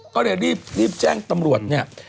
ก็เลยรีบแจ้งตำรวจเนี่ย